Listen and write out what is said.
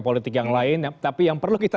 politik yang lain tapi yang perlu kita